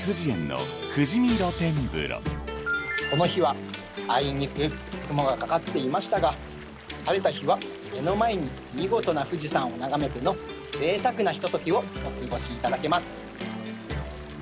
この日はあいにく雲がかかっていましたが晴れた日は目の前に見事な富士山を眺めてのぜいたくなひとときをお過ごしいただけます。